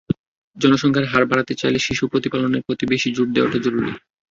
জনসংখ্যার হার বাড়াতে চাইলে শিশু প্রতিপালনের প্রতি বেশি জোর দেওয়াটা জরুরি।